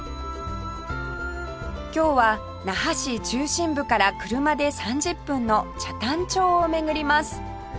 今日は那覇市中心部から車で３０分の北谷町を巡ります